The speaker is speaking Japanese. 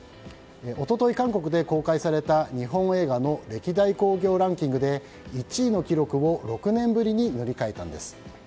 一昨日、韓国で公開された日本映画の歴代興行ランキングで１位の記録を６年ぶりに塗り替えたんです。